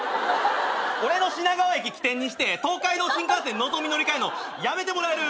俺の品川駅起点にして東海道新幹線のぞみに乗り換えるのやめてもらえる？